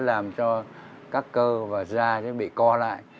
nó làm cho các cơ và da nó bị co lại